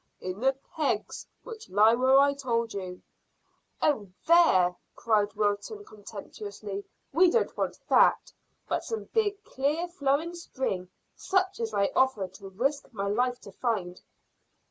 "In the kegs, which lie where I told you." "Oh, there!" cried Wilton contemptuously. "We don't want that, but some big clear flowing spring such as I offer to risk my life to find."